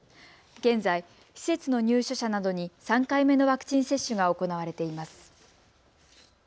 現在、施設の入所者などに３回目のワクチン接種が行われています。